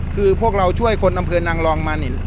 คือพวกเราช่วยคนอำเภอนางรองมานี่